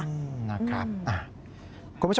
นะครับ